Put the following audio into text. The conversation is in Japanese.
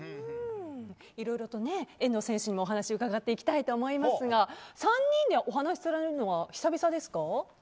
いろいろ遠藤選手にもお話を伺っていきたいと思いますが３人でお話されるのは久々ですか。